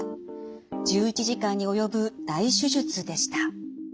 １１時間に及ぶ大手術でした。